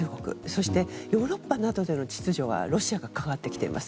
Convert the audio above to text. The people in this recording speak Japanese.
そしてヨーロッパなどでの秩序はロシアが関わってきています。